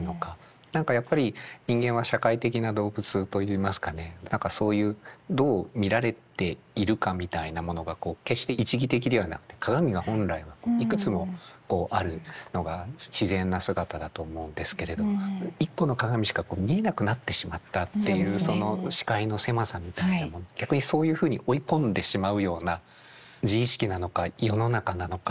何かやっぱり人間は社会的な動物といいますかねそういうどう見られているかみたいなものがこう決して一義的ではなくて鏡が本来はいくつもあるのが自然な姿だと思うんですけれど一個の鏡しか見えなくなってしまったっていうその視界の狭さみたいなもの逆にそういうふうに追い込んでしまうような自意識なのか世の中なのか。